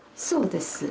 そうです。